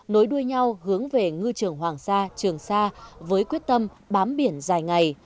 nối đuôi nhau hướng về ngư trường hoàng sa trường sa với quyết tâm bám biển dài ngày